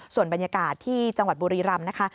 ส่วนบรรยากาศที่จังหวัดบุรีรำนะคะ